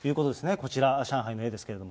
こちら、上海の絵ですけれども。